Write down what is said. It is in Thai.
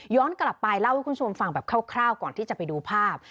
กลับไปเล่าให้คุณผู้ชมฟังแบบคร่าวก่อนที่จะไปดูภาพ